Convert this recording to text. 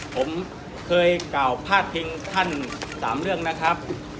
ผมเคยกล่าวพาดพิงท่าน๓เรื่องนะครับ